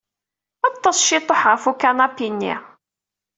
Ṭṭes ciṭuḥ ɣef ukanapi-nni.